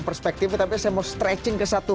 perspektifnya tapi saya mau stretching ke satu